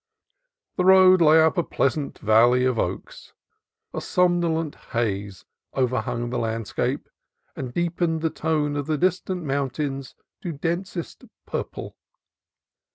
The road lay up a pleasant valley of oaks. A somnolent haze overhung the landscape and deepened the tone of the distant mountains to densest purple.